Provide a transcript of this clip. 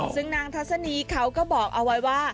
ซึ่งนางทัศนีเขาก็บอกเอาไว้ว่า